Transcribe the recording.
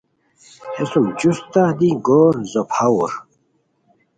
ہے سُم جوستہ دی گور زوپھاؤر